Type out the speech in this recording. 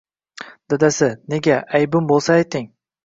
Dadasi, nega, aybim boʻlsa, ayting?